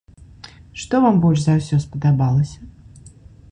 Што вам больш за ўсё спадабалася?